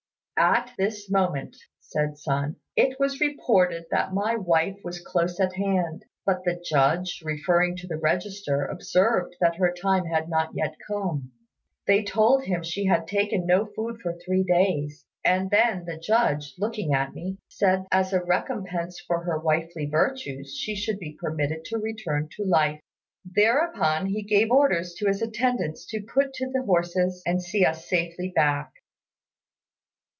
"At this moment," said Sun, "it was reported that my wife was close at hand, but the Judge, referring to the register, observed that her time had not yet come. They told him she had taken no food for three days; and then the Judge, looking at me, said that as a recompense for her wifely virtues she should be permitted to return to life. Thereupon he gave orders to his attendants to put to the horses and see us safely back."